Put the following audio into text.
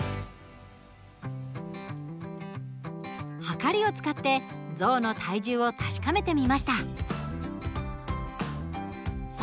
はかりを使って象の体重を確かめてみました。